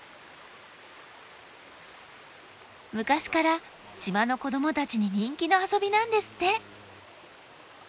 昔から島の子どもたちに人気の遊びなんですって。